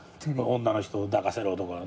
女の人抱かせろとか。